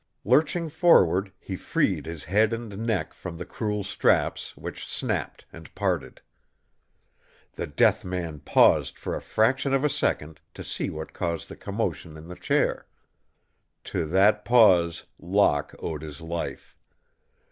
Lurching forward, he freed his head and neck from the cruel straps, which snapped and parted. The death man paused for a fraction of a second to see what caused the commotion in the chair. To that pause Locke owed his life.